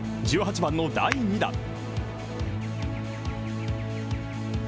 １８番の第２打。